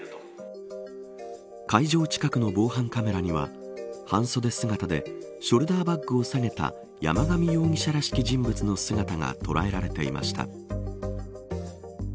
会場近くの防犯カメラには半袖姿でショルダーバッグを提げた山上容疑者らしき人物の姿が捉えられていました。